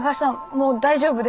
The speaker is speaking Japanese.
もう大丈夫ですから。